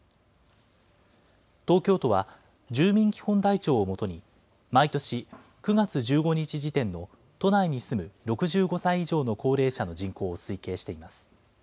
東京都は、住民基本台帳をもとに毎年９月１５日時点の都内に住む６５歳以上の高齢者の人口を推計しています。